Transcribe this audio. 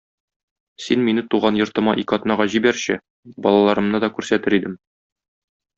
Син мине туган йортыма ике атнага җибәрче, балаларымны да күрсәтер идем.